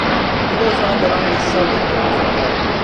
He was one of the longest serving members of the band.